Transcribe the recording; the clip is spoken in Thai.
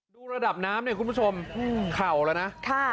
ดูระดับน้ำเนี้ยคุณผู้ชมหรือน่ะค่ะ